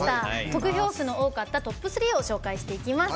得票数の多かったトップ３を紹介していきます。